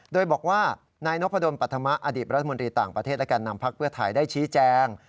โดยบอกว่านายนพดลปัธมะอดีตรัฐมนตรีต่างประเทศและแก่นำพักเพื่อไทยได้ชี้แจง